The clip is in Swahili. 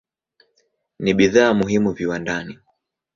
Ni bidhaa muhimu viwandani.